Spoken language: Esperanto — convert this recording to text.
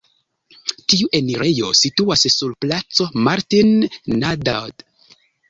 Tiu enirejo situas sur Placo Martin-Nadaud.